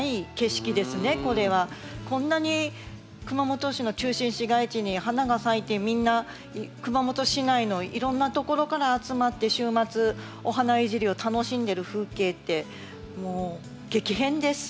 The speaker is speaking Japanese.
こんなに熊本市の中心市街地に花が咲いてみんな熊本市内のいろんなところから集まって週末お花いじりを楽しんでる風景ってもう激変です。